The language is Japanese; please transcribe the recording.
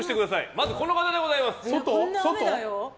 まず、この方でございます！